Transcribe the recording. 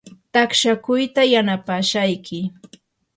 taqshakuyta yanapashayki.